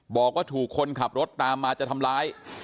บอกว่าถูกคนขับรถตามมาจะทำร้าย